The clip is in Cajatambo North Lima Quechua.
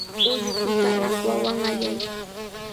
Ullukuta rakwawan allay.